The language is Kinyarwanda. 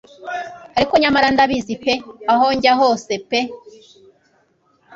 Ariko nyamara ndabizi pe aho njya hose pe